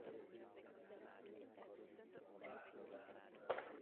Mám na tuto problematiku jiný názor.